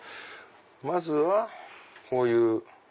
まずはこういう。